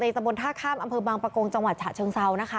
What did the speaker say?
ตะบนท่าข้ามอำเภอบางประกงจังหวัดฉะเชิงเซานะคะ